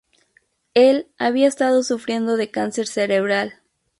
Él había estado sufriendo de cáncer cerebral.